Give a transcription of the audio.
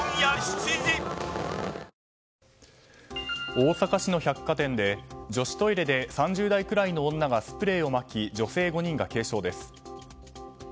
大阪市の百貨店で女子トイレで３０代くらいの女がスプレーをまき女性５人が軽症です。